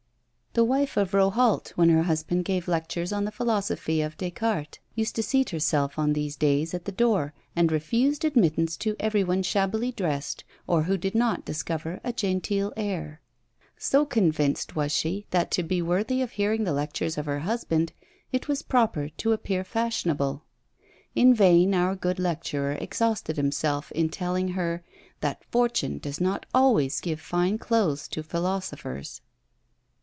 The wife of Rohault, when her husband gave lectures on the philosophy of Descartes, used to seat herself on these days at the door, and refused admittance to every one shabbily dressed, or who did not discover a genteel air. So convinced was she that, to be worthy of hearing the lectures of her husband, it was proper to appear fashionable. In vain our good lecturer exhausted himself in telling her, that fortune does not always give fine clothes to philosophers.